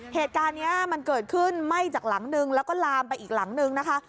เหตุการณ์นี้มันเกิดขึ้นไหม้จากหลังนึงแล้วก็ลามไปอีกหลังนึงนะคะ